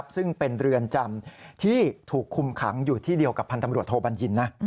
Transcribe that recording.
ซึ่งเป็นเรือนจำที่ถูกคุมขังอยู่ที่เดียวกับพันธ์ตำรวจโทบัญญิน